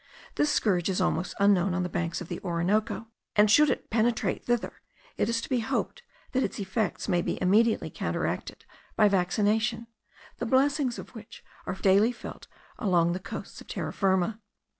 This scourge is almost unknown on the banks of the Orinoco, and should it penetrate thither, it is to be hoped that its effects may be immediately counteracted by vaccination, the blessings of which are daily felt along the coasts of Terra Firma.